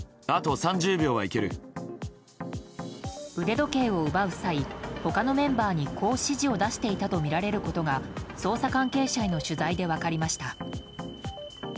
腕時計を奪う際他のメンバーにこう指示を出していたとみられることが捜査関係者への取材で分かりました。